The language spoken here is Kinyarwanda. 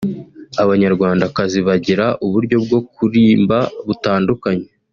Abanyarwandakazi bagira uburyo bwo kurimba butandukanye